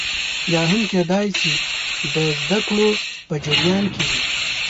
یا هم کېدای شي د زده کړو په جریان کې وي